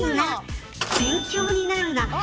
勉強になるな。